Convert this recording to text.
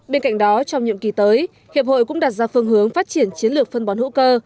bên cạnh đó trong nhiệm kỳ tới hiệp hội cũng đặt ra phương hướng phát triển chiến lược phân bón hữu cơ